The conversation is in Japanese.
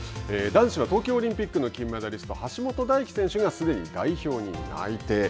男子は東京オリンピックの金メダリスト橋本大輝選手がすでに代表に内定。